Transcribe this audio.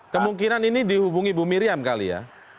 kemungkinan ini dihubungi bu miriam kali ya